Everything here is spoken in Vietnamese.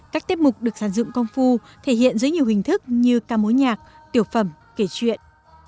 các tiết mục được sản dụng công phu thể hiện dưới nhiều hình thức như ca mối nhạc tiểu phẩm kể chuyện